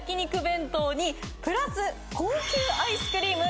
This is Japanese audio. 弁当にプラス高級アイスクリーム１００